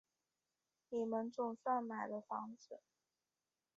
你们总算买了房子